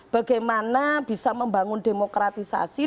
bagaimana bisa membangun demokratisasi